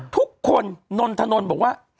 ทุกคนนนทนนท์บอกว่า